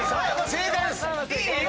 正解です！